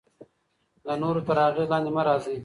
د نورو تر اغیز لاندې مه راځئ.